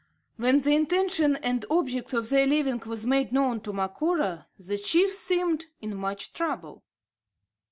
When the intention and object of their leaving was made known to Macora, the chief seemed in much trouble.